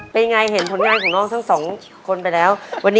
เป็นไงเห็นทนน้ายของน้องทั้งสองคนไปแล้ว